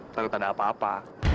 takut ada apa apa